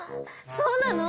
そうなの？